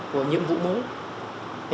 của nhiệm vụ mối